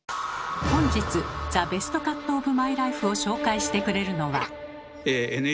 本日「ザ・ベストカットオブマイライフ」を紹介してくれるのは。